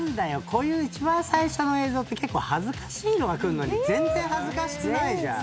こういう一番最初の映像って結構恥ずかしいのがくるのに全然恥ずかしくないじゃん。